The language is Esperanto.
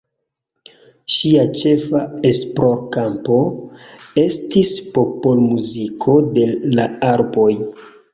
Ŝia ĉefa esplorkampo estis popolmuziko de la Alpoj.